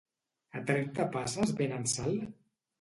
A Trentapasses venen sal?